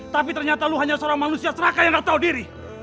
tapi ternyata lu hanya seorang manusia serakah yang gak tahu diri